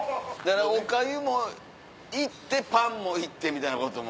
お粥も行ってパンも行ってみたいなことも。